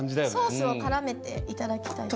ソースを絡めていただきたい